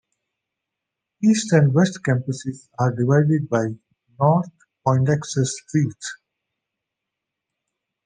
East and West campuses are divided by North Poindexter Street.